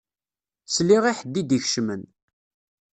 Sliɣ i ḥedd i d-ikecmen.